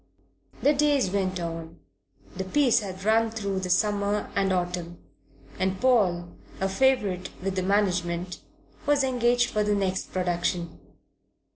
The days went on. The piece had run through the summer and autumn, and Paul, a favourite with the management, was engaged for the next production.